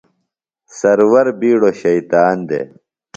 سرور بِیڈوۡ شیطان دےۡ۔